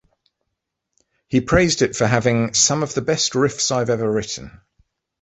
He praised it for having "some of the best riffs I've ever written".